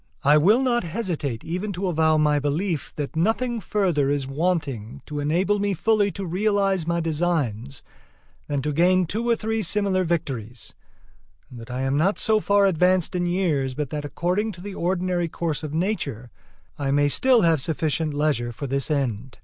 I will not hesitate even to avow my belief that nothing further is wanting to enable me fully to realize my designs than to gain two or three similar victories; and that I am not so far advanced in years but that, according to the ordinary course of nature, I may still have sufficient leisure for this end.